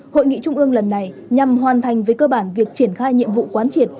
hội nghị trung ương lần này nhằm hoàn thành với cơ bản việc triển khai nhiệm vụ quán triệt